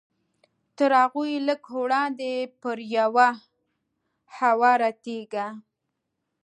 تر هغوی لږ وړاندې پر یوه هواره تیږه.